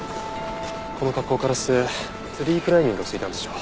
この格好からしてツリークライミングをしていたんでしょう。